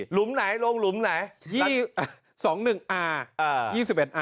หลุมไหนลงหลุมไหน